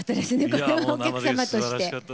これはお客様として。